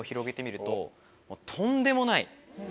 とんでもない。